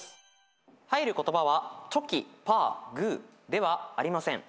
入る言葉はチョキパーグーではありません。